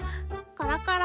コロコロ。